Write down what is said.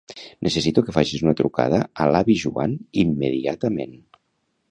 Necessito que facis una trucada a l'avi Joan immediatament.